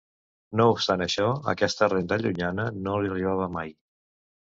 No obstant això, aquesta renda llunyana no li arribava mai.